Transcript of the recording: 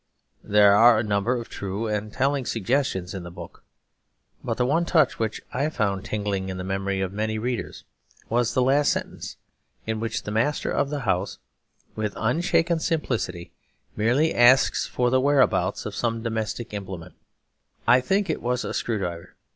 There are a number of true and telling suggestions in the book, but the one touch which I found tingling in the memory of many readers was the last sentence, in which the master of the house, with unshaken simplicity, merely asks for the whereabouts of some domestic implement; I think it was a screw driver.